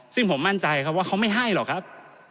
ซึ่งผมมั่นใจครับว่าเขาไม่ให้หรอกครับ